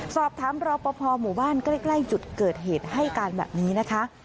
สอบถามรอปภหมู่บ้านใกล้จุดเกิดเหตุให้การแบบนี้นะคะ